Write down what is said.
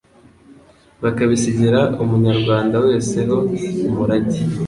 bakabisigira Umunyarwanda wese ho umurage.